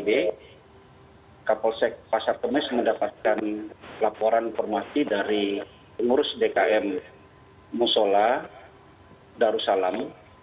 jadi pada hari pusat enam belas wib kapolsek pasar kemis mendapatkan laporan informasi dari pengurus dkm musola darussalam